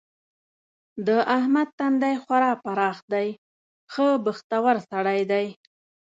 د احمد تندی خورا پراخ دی؛ ښه بختور سړی دی.